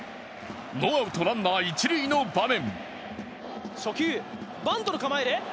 ノーアウトランナー一塁の場面。